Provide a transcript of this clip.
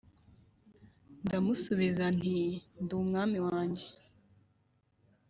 Ndamusubiza nti ndi umwami wanjye